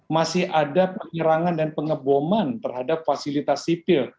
masih ada penyerangan dan pengeboman terhadap fasilitas sipil